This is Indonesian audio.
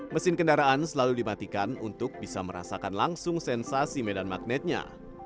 mesin kendaraan selalu dimatikan untuk bisa merasakan langsung sensasi medan magnetnya